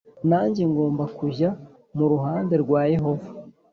nanjye ngomba kujya mu ruhande rwa Yehova